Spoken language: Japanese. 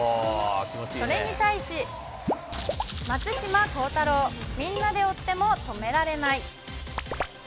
それに対し、松島幸太朗、みんなで追っても止められない。